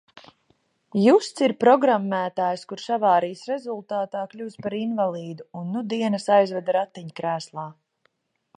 Justs ir programmētājs, kurš avārijas rezultātā kļuvis par invalīdu un nu dienas aizvada ratiņkrēslā.